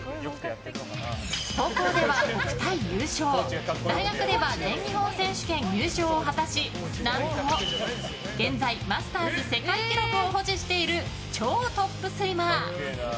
高校では国体優勝、大学では全日本選手権入賞を果たし何と、現在マスターズ世界記録を保持している超トップスイマー。